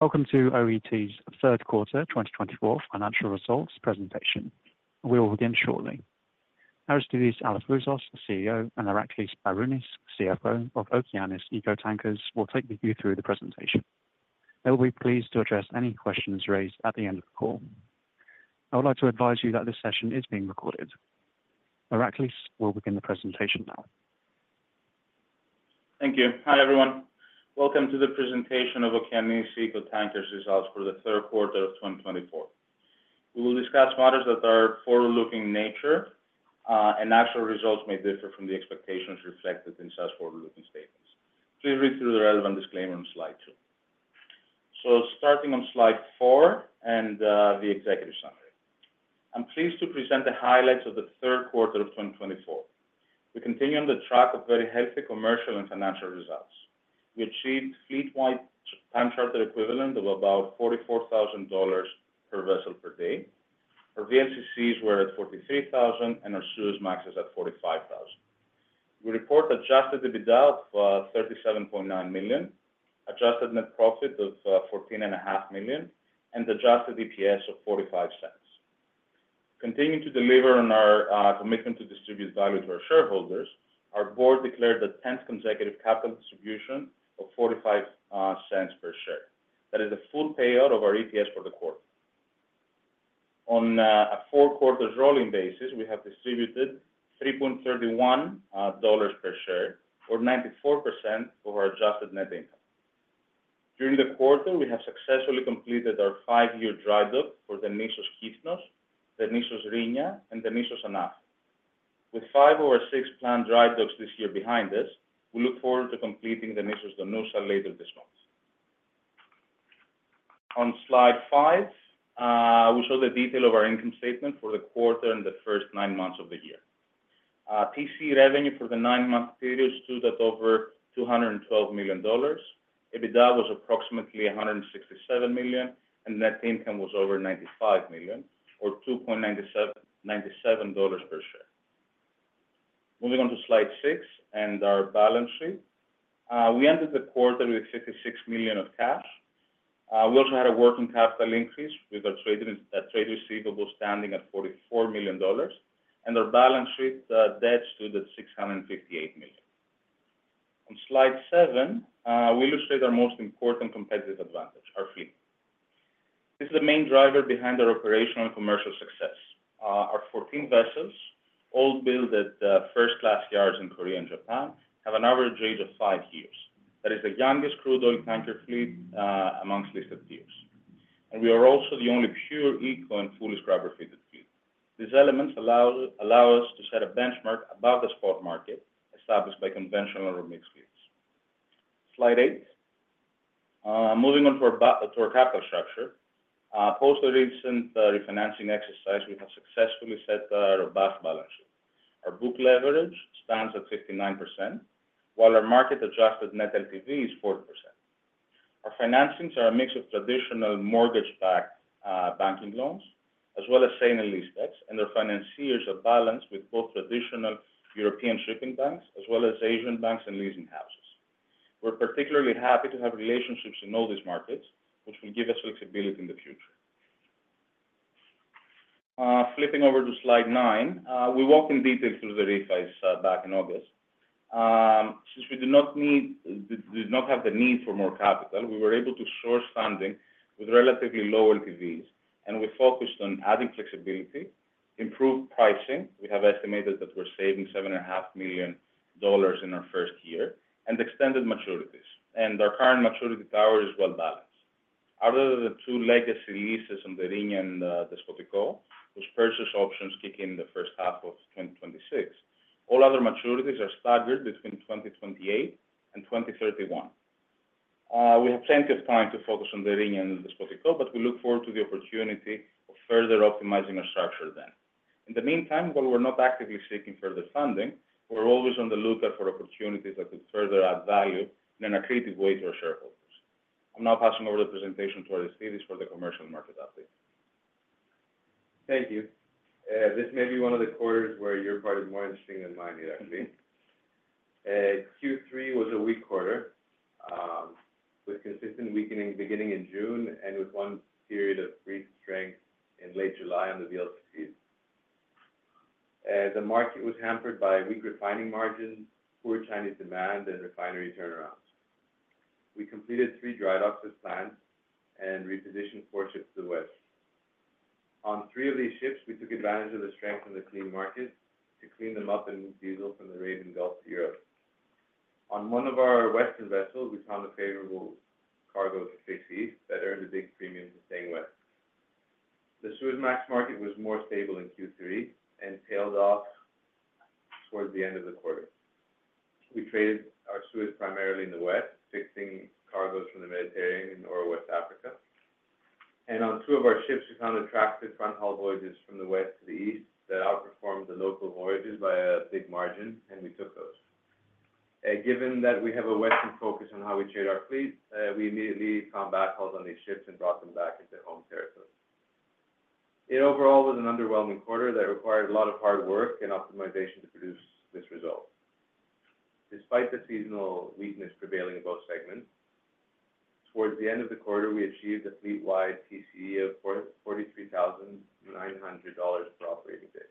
Welcome to OET's third quarter 2024 financial results presentation. We will begin shortly. Aristidis Alafouzos, CEO, and Iraklis Sbarounis, CFO, of Okeanis Eco Tankers will take you through the presentation. They will be pleased to address any questions raised at the end of the call. I would like to advise you that this session is being recorded. Iraklis will begin the presentation now. Thank you. Hi, everyone. Welcome to the presentation of Okeanis Eco Tankers' results for the third quarter of 2024. We will discuss matters that are forward-looking in nature, and actual results may differ from the expectations reflected in such forward-looking statements. Please read through the relevant disclaimer on slide two. So, starting on slide four and the executive summary, I'm pleased to present the highlights of the third quarter of 2024. We continue on the track of very healthy commercial and financial results. We achieved fleet-wide time charter equivalent of about $44,000 per vessel per day. Our VLCCs were at $43,000, and our Suezmax is at $45,000. We report adjusted EBITDA of $37.9 million, adjusted net profit of $14.5 million, and adjusted EPS of $0.45. Continuing to deliver on our commitment to distribute value to our shareholders, our board declared the 10th consecutive capital distribution of $0.45 per share. That is the full payout of our EPS for the quarter. On a four-quarters rolling basis, we have distributed $3.31 per share, or 94% of our adjusted net income. During the quarter, we have successfully completed our five-year dry dock for the Nissos Kythnos, Nissos Rhenia, and Nissos Anafi. With five of our six planned dry docks this year behind us, we look forward to completing Nissos Donoussa later this month. On slide five, we show the detail of our income statement for the quarter and the first nine months of the year. Pool revenue for the nine-month period stood at over $212 million. EBITDA was approximately $167 million, and net income was over $95 million, or $2.97 per share. Moving on to slide six and our balance sheet, we ended the quarter with $56 million of cash. We also had a working capital increase with our trade receivables standing at $44 million, and our balance sheet debt stood at $658 million. On slide seven, we illustrate our most important competitive advantage, our fleet. This is the main driver behind our operational and commercial success. Our 14 vessels, all built at first-class yards in Korea and Japan, have an average age of five years. That is the youngest crude oil tanker fleet amongst listed. And we are also the only pure eco and fully scrubber-fitted fleet. These elements allow us to set a benchmark above the spot market established by conventional or mixed fleets. Slide eight. Moving on to our capital structure, post the recent refinancing exercise, we have successfully set our robust balance sheet. Our book leverage stands at 59%, while our market-adjusted net LTV is 40%. Our financings are a mix of traditional mortgage-backed banking loans, as well as sale-and-leaseback, and our financiers are balanced with both traditional European shipping banks as well as Asian banks and leasing houses. We're particularly happy to have relationships in all these markets, which will give us flexibility in the future. Flipping over to slide nine, we walked in detail through the refis back in August. Since we did not have the need for more capital, we were able to source funding with relatively low LTVs, and we focused on adding flexibility, improved pricing, we have estimated that we're saving $7.5 million in our first year, and extended maturities. Our current maturity profile is well balanced. Other than the two legacy leases on the Rhenia and the Despotiko, whose purchase options kick in the first half of 2026, all other maturities are staggered between 2028 and 2031. We have plenty of time to focus on the Rhenia and the Despotiko, but we look forward to the opportunity of further optimizing our structure then. In the meantime, while we're not actively seeking further funding, we're always on the lookout for opportunities that could further add value in an accretive way to our shareholders. I'm now passing over the presentation to Aristidis for the commercial market update. Thank you. This may be one of the quarters where your part is more interesting than mine, Iraklis. Q3 was a weak quarter, with consistent weakening beginning in June and with one period of brief strength in late July on the VLCCs. The market was hampered by weak refining margins, poor Chinese demand, and refinery turnarounds. We completed three dry docks as planned and repositioned four ships to the west. On three of these ships, we took advantage of the strength in the clean market to clean them up and move diesel from the Arabian Gulf to Europe. On one of our western vessels, we found a favorable cargo to fix east that earned a big premium to staying west. The Suezmax market was more stable in Q3 and tailed off towards the end of the quarter. We traded our Suezmaxes primarily in the west, fixing cargoes from the Mediterranean or West Africa. And on two of our ships, we found attractive front-haul voyages from the west to the east that outperformed the local voyages by a big margin, and we took those. Given that we have a western focus on how we trade our fleet, we immediately found backhauls on these ships and brought them back into home territory. It overall was an underwhelming quarter that required a lot of hard work and optimization to produce this result. Despite the seasonal weakness prevailing in both segments, towards the end of the quarter, we achieved a fleet-wide TCE of $43,900 per operating day.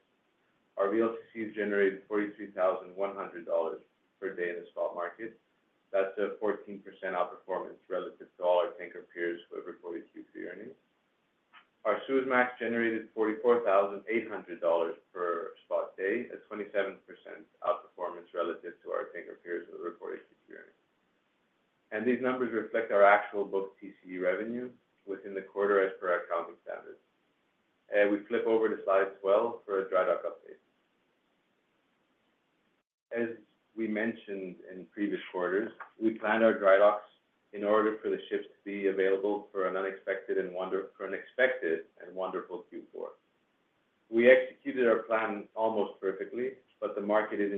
Our VLCCs generated $43,100 per day in the spot market. That's a 14% outperformance relative to all our tanker peers who have reported Q3 earnings. Our Suezmax generated $44,800 per spot day, a 27% outperformance relative to our tanker peers who have reported Q3 earnings, and these numbers reflect our actual book TCE revenue within the quarter as per our accounting standards. We flip over to slide 12 for a dry dock update. As we mentioned in previous quarters, we planned our dry docks in order for the ships to be available for an unexpected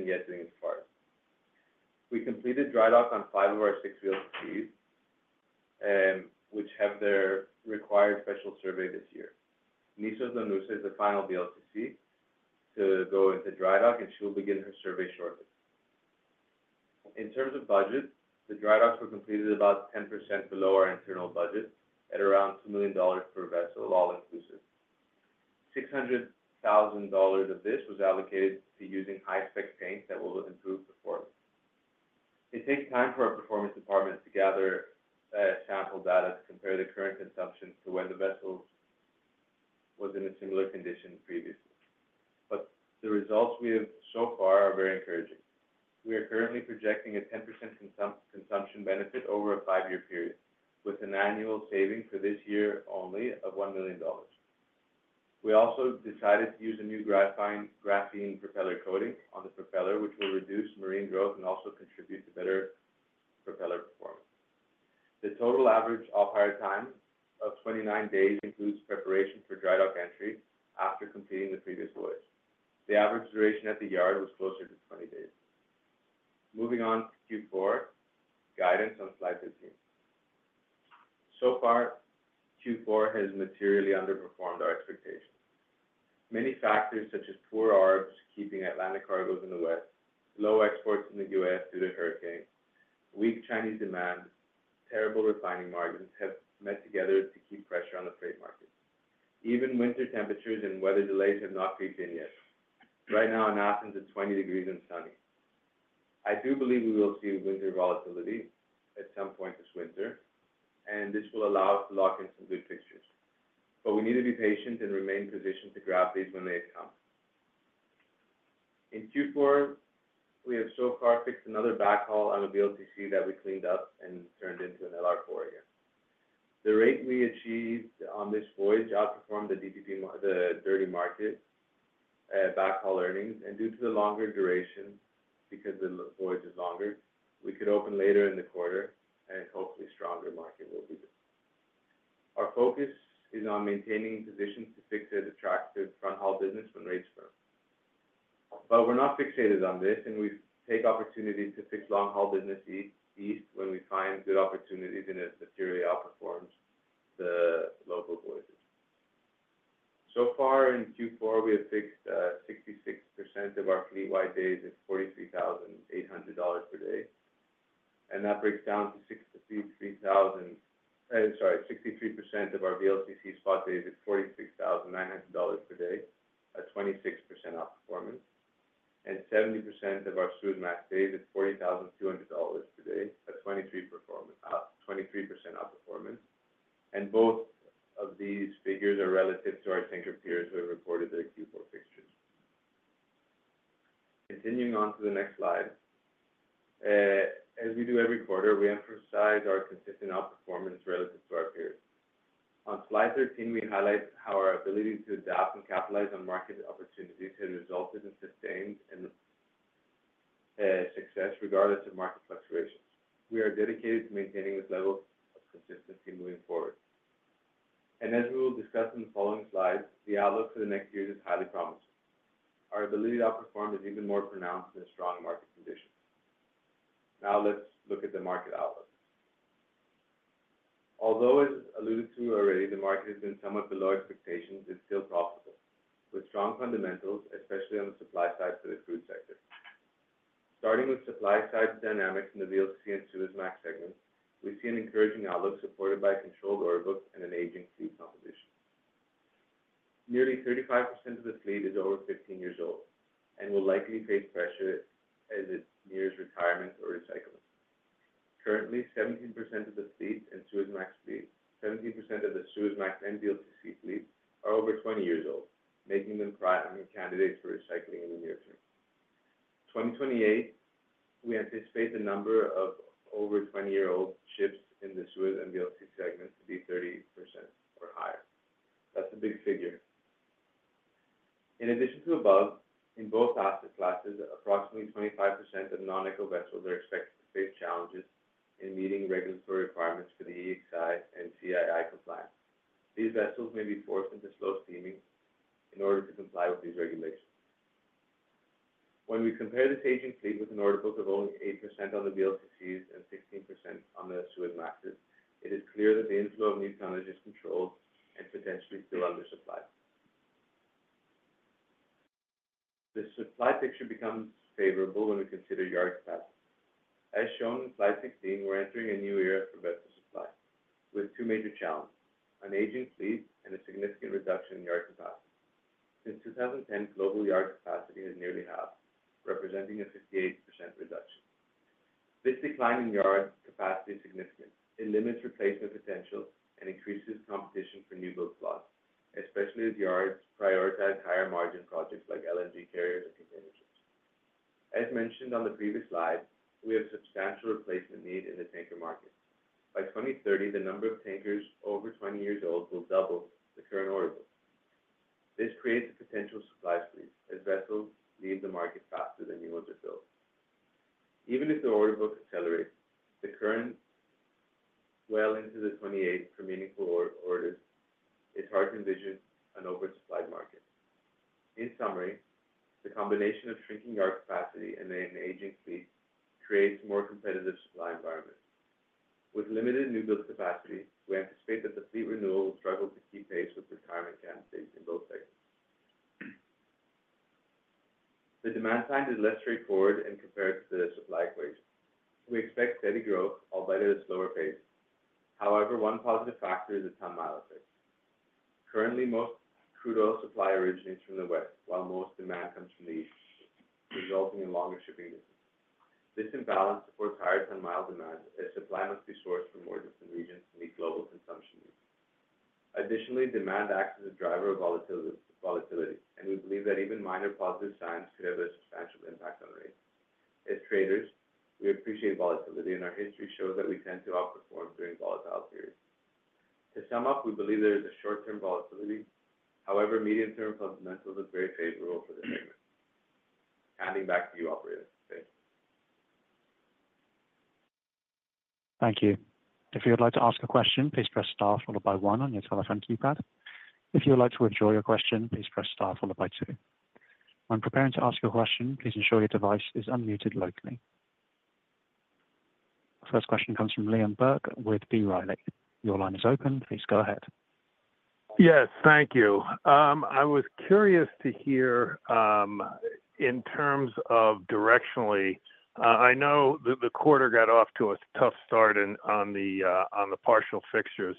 and wonderful Q4. We executed our plan almost perfectly, but the market isn't yet doing its part. We completed dry dock on five of our six VLCCs, which have their required special survey this year. Nissos Donoussa is the final VLCC to go into dry dock, and she'll begin her survey shortly. In terms of budget, the dry docks were completed about 10% below our internal budget at around $2 million per vessel, all-inclusive. $600,000 of this was allocated to using high-spec tanks that will improve performance. It takes time for our performance department to gather sample data to compare the current consumption to when the vessel was in a similar condition previously. But the results we have so far are very encouraging. We are currently projecting a 10% consumption benefit over a five-year period, with an annual saving for this year only of $1 million. We also decided to use a new graphene propeller coating on the propeller, which will reduce marine growth and also contribute to better propeller performance. The total average off-hire time of 29 days includes preparation for dry dock entry after completing the previous voyage. The average duration at the yard was closer to 20 days. Moving on to Q4 guidance on slide 15. So far, Q4 has materially underperformed our expectations. Many factors, such as poor ARBs keeping Atlantic cargoes in the west, low exports in the U.S. due to hurricanes, weak Chinese demand, and terrible refining margins, have met together to keep pressure on the trade market. Even winter temperatures and weather delays have not crept in yet. Right now, in Athens, it's 20 degrees and sunny. I do believe we will see winter volatility at some point this winter, and this will allow us to lock in some good fixtures. But we need to be patient and remain positioned to grab these when they come. In Q4, we have so far fixed another backhaul on a VLCC that we cleaned up and turned into an LR4 again. The rate we achieved on this voyage outperformed the dirty market backhaul earnings. Due to the longer duration, because the voyage is longer, we could open later in the quarter, and hopefully, a stronger market will be built. Our focus is on maintaining positions to fix attractive front-haul business when rates turn. But we're not fixated on this, and we take opportunities to fix long-haul business east when we find good opportunities and it materially outperforms the local voyages. So far, in Q4, we have fixed 66% of our fleet-wide days at $43,800 per day. And that breaks down to 63% of our VLCC spot days at $46,900 per day, a 26% outperformance, and 70% of our Suezmax days at $40,200 per day, a 23% outperformance. And both of these figures are relative to our tanker peers who have reported their Q4 fixtures. Continuing on to the next slide. As we do every quarter, we emphasize our consistent outperformance relative to our peers. On slide 13, we highlight how our ability to adapt and capitalize on market opportunities has resulted in sustained success regardless of market fluctuations. We are dedicated to maintaining this level of consistency moving forward, and as we will discuss in the following slides, the outlook for the next years is highly promising. Our ability to outperform is even more pronounced in strong market conditions. Now, let's look at the market outlook. Although, as alluded to already, the market has been somewhat below expectations, it's still profitable, with strong fundamentals, especially on the supply side for the crude sector. Starting with supply-side dynamics in the VLCC and Suezmax segments, we see an encouraging outlook supported by controlled order books and an aging fleet composition. Nearly 35% of the fleet is over 15 years old and will likely face pressure as it nears retirement or recycling. Currently, 17% of the fleets and Suezmax fleets, 17% of the Suezmax and VLCC fleets are over 20 years old, making them prime candidates for recycling in the near term. In 2028, we anticipate the number of over 20-year-old ships in the Suezmax and VLCC segments to be 30% or higher. That's a big figure. In addition to above, in both asset classes, approximately 25% of non-eco vessels are expected to face challenges in meeting regulatory requirements for the EEXI and CII compliance. These vessels may be forced into slow steaming in order to comply with these regulations. When we compare this aging fleet with an order book of only 8% on the VLCCs and 16% on the Suezmaxes, it is clear that the inflow of new tonnage is controlled and potentially still undersupplied. The supply picture becomes favorable when we consider yard capacity. As shown in slide 16, we're entering a new era for vessel supply, with two major challenges: an aging fleet and a significant reduction in yard capacity. Since 2010, global yard capacity has nearly halved, representing a 58% reduction. This decline in yard capacity is significant. It limits replacement potential and increases competition for new boat slots, especially as yards prioritize higher-margin projects like LNG carriers and container ships. As mentioned on the previous slide, we have substantial replacement need in the tanker market. By 2030, the number of tankers over 20 years old will double the current order books. This creates a potential supply squeeze as vessels leave the market faster than new ones are filled. Even if the order book accelerates, the current, well into the 28th for meaningful orders, it's hard to envision an oversupplied market. In summary, the combination of shrinking yard capacity and an aging fleet creates a more competitive supply environment. With limited new boat capacity, we anticipate that the fleet renewal will struggle to keep pace with retirement candidates in both segments. The demand side is less straightforward and compared to the supply equation. We expect steady growth, albeit at a slower pace. However, one positive factor is the ton-mile effect. Currently, most crude oil supply originates from the west, while most demand comes from the east, resulting in longer shipping distances. This imbalance supports higher ton-mile demand as supply must be sourced from more distant regions to meet global consumption needs. Additionally, demand acts as a driver of volatility, and we believe that even minor positive signs could have a substantial impact on rates. As traders, we appreciate volatility, and our history shows that we tend to outperform during volatile periods. To sum up, we believe there is a short-term volatility. However, medium-term fundamentals are very favorable for the segment. Handing back to you, operators. Thank you. Thank you. If you'd like to ask a question, please press Star followed by 1 on your telephone keypad. If you would like to withdraw your question, please press Star followed by 2. When preparing to ask your question, please ensure your device is unmuted locally. First question comes from Liam Burke with B. Riley. Your line is open. Please go ahead. Yes, thank you. I was curious to hear in terms of directionally. I know that the quarter got off to a tough start on the partial fixtures.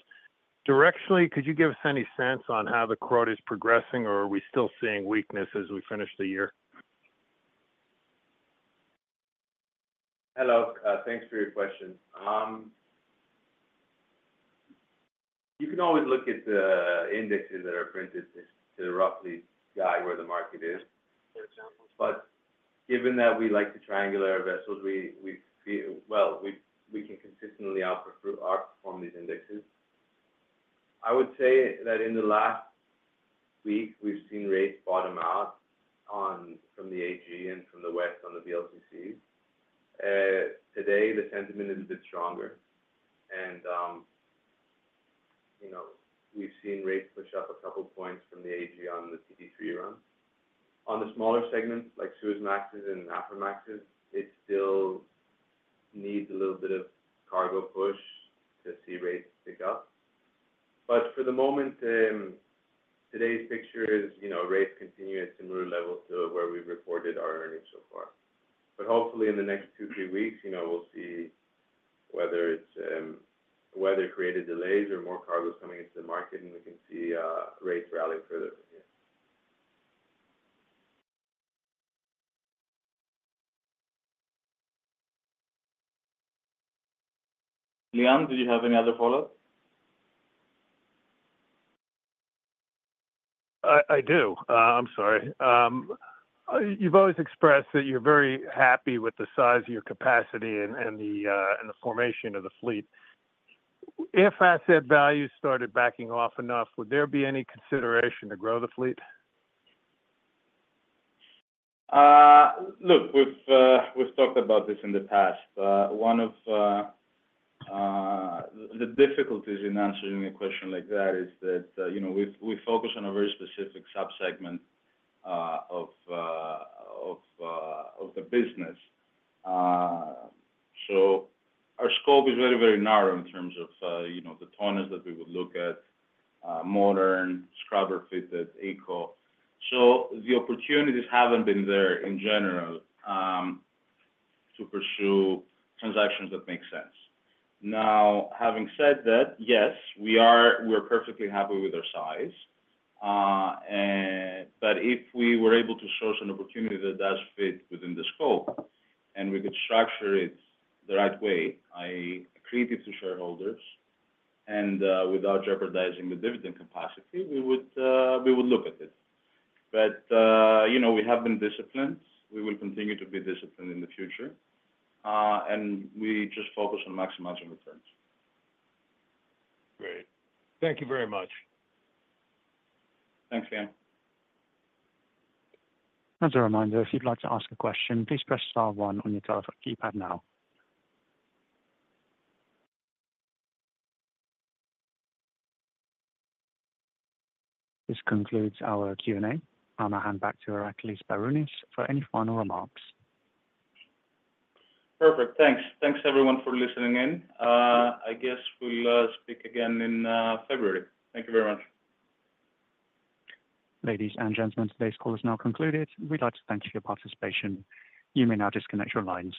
Directionally, could you give us any sense on how the quarter is progressing, or are we still seeing weakness as we finish the year? Hello. Thanks for your question. You can always look at the indexes that are printed to roughly guide where the market is, for example. But given that we like to triangulate our vessels, well, we can consistently outperform these indexes. I would say that in the last week, we've seen rates bottom out from the AG and from West Africa on the VLCCs. Today, the sentiment is a bit stronger, and we've seen rates push up a couple of points from the AG on the TD3 run. On the smaller segments, like Suezmaxes and Aframaxes, it still needs a little bit of cargo push to see rates pick up. But for the moment, today's picture is rates continue at similar levels to where we've reported our earnings so far. But hopefully, in the next two, three weeks, we'll see whether it's weather-created delays or more cargoes coming into the market, and we can see rates rally further from here. Liam, did you have any other follow-up? I do. I'm sorry. You've always expressed that you're very happy with the size of your capacity and the formation of the fleet. If asset values started backing off enough, would there be any consideration to grow the fleet? Look, we've talked about this in the past. One of the difficulties in answering a question like that is that we focus on a very specific subsegment of the business. So our scope is very, very narrow in terms of the tonnage that we would look at, modern, scrubber-fitted, eco. So the opportunities haven't been there in general to pursue transactions that make sense. Now, having said that, yes, we are perfectly happy with our size. But if we were able to source an opportunity that does fit within the scope and we could structure it the right way, accretive to shareholders, and without jeopardizing the dividend capacity, we would look at it. But we have been disciplined. We will continue to be disciplined in the future, and we just focus on maximizing returns. Great. Thank you very much. Thanks, Liam. As a reminder, if you'd like to ask a question, please press Star 1 on your telephone keypad now. This concludes our Q&A. I'll now hand back to Iraklis Sbarounis for any final remarks. Perfect. Thanks, everyone, for listening in. We'll speak again in February. Thank you very much. Ladies and gentlemen, today's call is now concluded. We'd like to thank you for your participation. You may now disconnect your lines.